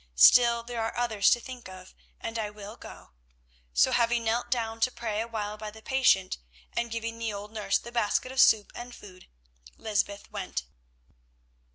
Still, there are others to think of, and I will go." So, having knelt down to pray awhile by the patient, and given the old nurse the basket of soup and food, Lysbeth went.